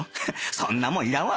そんなもんいらんわ！